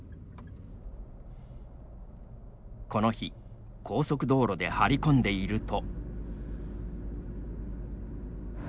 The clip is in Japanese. この日、高速道路で張り込んでいると。